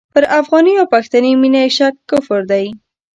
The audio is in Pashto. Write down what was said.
پر افغاني او پښتني مینه یې شک کفر دی.